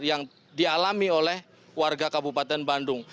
yang dialami oleh warga kabupaten bandung